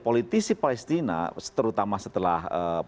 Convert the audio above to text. politisi palestina terutama setelah